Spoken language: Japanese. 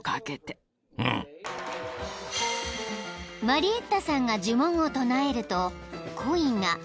［マリエッタさんが呪文を唱えると］